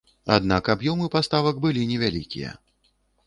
Аднак аб'ёмы паставак былі невялікія.